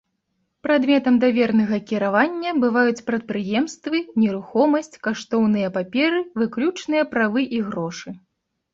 Прадметам давернага кіравання бываюць прадпрыемствы, нерухомасць, каштоўныя паперы, выключныя правы і грошы.